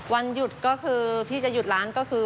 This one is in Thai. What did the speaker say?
วันหยุดก็คือพี่จะหยุดร้านก็คือ